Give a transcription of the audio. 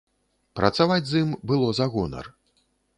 Працаваць з ім было за гонар.